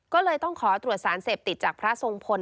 ก็เลยต้องขอตรวจสารเสพติดจากพระทรงพล